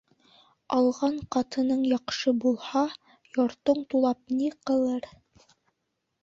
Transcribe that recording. Алған ҡатының яҡшы булһа, йортоң тулап ни ҡылыр?